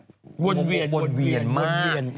บนเวียนบนเวียนบนเวียนมาก